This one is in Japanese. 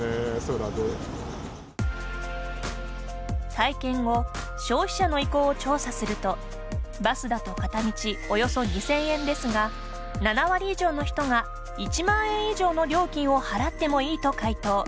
体験後消費者の意向を調査するとバスだと片道およそ２０００円ですが７割以上の人が１万円以上の料金を払ってもいいと回答。